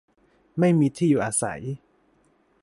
ไม่มีที่อยู่อาศัย